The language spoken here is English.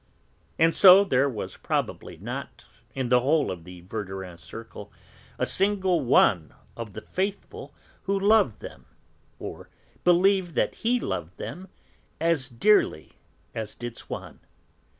And so there was probably not, in the whole of the Verdurin circle, a single one of the 'faithful' who loved them, or believed that he loved them, as dearly as did Swann.